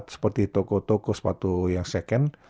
seperti toko toko sepatu yang second